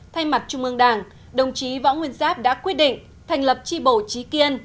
thay mặt trung ương đảng đồng chí võ nguyên giáp đã quyết định thành lập tri bộ trí kiên